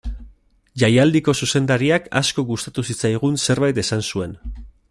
Jaialdiko zuzendariak asko gustatu zitzaigun zerbait esan zuen.